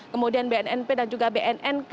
kemudian bnnp dan juga bnn